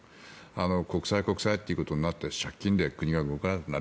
国債、国債ということになって借金で国が動かなくなる